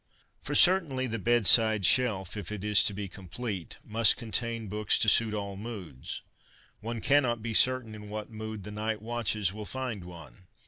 For certainly the bedside shelf, if it is to be com plete, must contain books to suit all moods. One cannot be certain in what mood the night watches will find one.